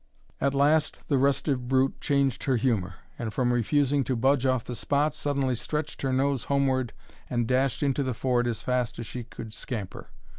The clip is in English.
At last the restive brute changed her humour; and, from refusing to budge off the spot, suddenly stretched her nose homeward, and dashed into the ford as fast as she could scamper.